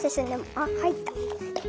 あはいった。